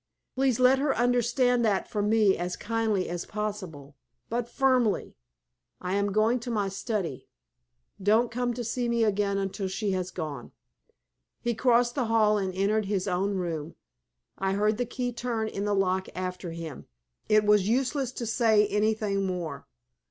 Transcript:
Please let her understand that from me as kindly as possible, but firmly. I am going to my study. Don't come to see me again until she has gone." He crossed the hall and entered his own room. I heard the key turn in the lock after him. It was useless to say anything more.